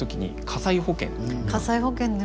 火災保険ね